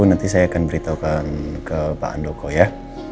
nanti saya akan beritahukan ke pak andoko ya